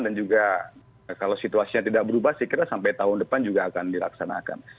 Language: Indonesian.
dan juga kalau situasinya tidak berubah sekiranya sampai tahun depan juga akan dilaksanakan